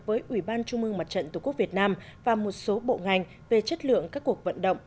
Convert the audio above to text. với ủy ban trung mương mặt trận tổ quốc việt nam và một số bộ ngành về chất lượng các cuộc vận động